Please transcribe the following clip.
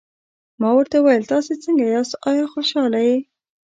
ما ورته وویل: تاسي څنګه یاست، آیا خوشحاله یې؟